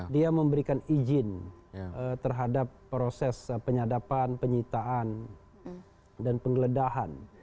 dia memberikan izin terhadap proses penyadapan penyitaan dan penggeledahan